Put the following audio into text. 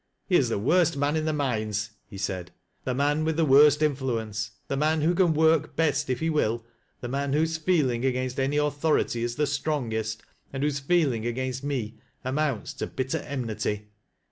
" He is the worst man in the mines," he said. " The loan with the worst influence, the man who can work best if he will, the man whose feeling against any authority is the strongest, and whose feeling against me amounts to bitter enmity."